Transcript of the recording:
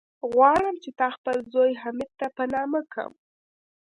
غواړم چې تا خپل زوی، حميد ته په نامه کم.